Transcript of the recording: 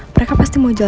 percaya aja gue gigi gigi